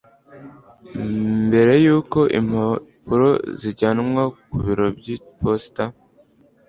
mberey'uko impapuro zijyanwa ku biro by'iposita